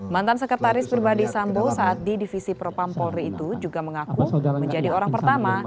mantan sekretaris pribadi sambo saat di divisi propam polri itu juga mengaku menjadi orang pertama